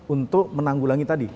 untuk menanggulangi tadi